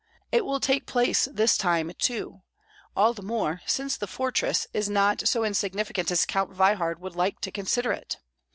It will take place this time too, all the more since the fortress is not so insignificant as Count Veyhard would like to consider it.